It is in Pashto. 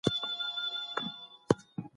د جګړې او سولې رومان د ادبیاتو د بڼ یو ګل دی.